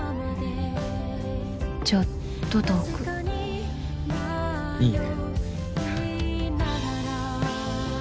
ちょっと遠くいいね